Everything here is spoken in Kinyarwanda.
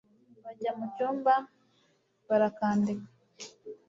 bajya mucyumba barakandika